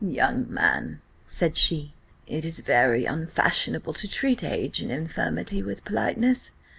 "Young man," said she, "it is very unfashionable to treat age and infirmity with politeness.